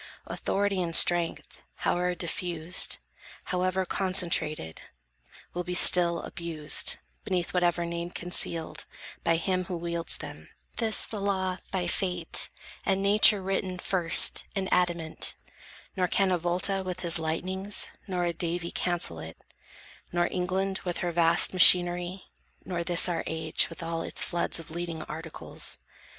Authority and strength, howe'er diffused, However concentrated, will be still Abused, beneath whatever name concealed, By him who wields them; this the law by Fate And nature written first, in adamant: Nor can a Volta with his lightnings, nor A Davy cancel it, nor England with Her vast machinery, nor this our age With all its floods of Leading Articles.